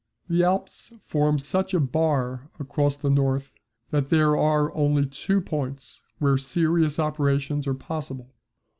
The Alps form such a bar across the north that there are only two points where serious operations are possible.